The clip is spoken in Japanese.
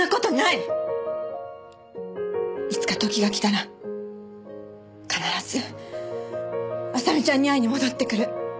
いつか時が来たら必ず麻美ちゃんに会いに戻ってくる。